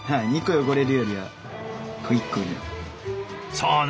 そうね。